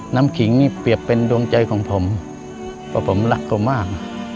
ขิงนี่เปรียบเป็นดวงใจของผมเพราะผมรักเขามาก